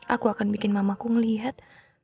aku akan bikin mamaku melihat